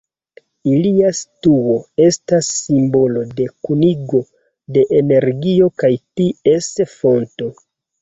Ilia situo estas simbolo de kunigo de energio kaj ties fonto.